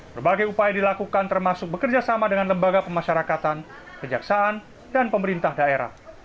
berbagai upaya dilakukan termasuk bekerjasama dengan lembaga pemasyarakatan kejaksaan dan pemerintah daerah